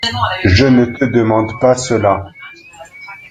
Je ne te demande pas cela.